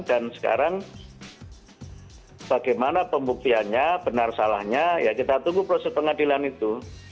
dan sekarang bagaimana pembuktiannya benar salahnya ya kita tunggu proses pengadilan itu